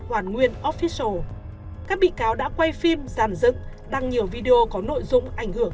hoàn nguyên offital các bị cáo đã quay phim giàn dựng đăng nhiều video có nội dung ảnh hưởng